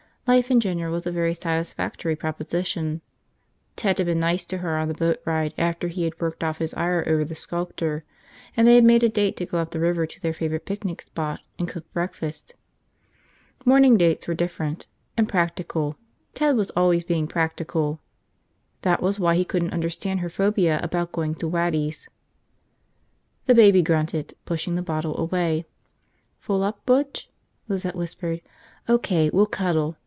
Life in general was a very satisfactory proposition. Ted had been nice to her on the boat ride after he had worked off his ire over the sculptor, and they had made a date to go up the river to their favorite picnic spot and cook breakfast. Morning dates were different. And practical. Ted was always being practical. That was why he couldn't understand her phobia about going to Waddy's. The baby grunted, pushing the bottle away. "Full up, Butch?" Lizette whispered. "O.K., we'll cuddle.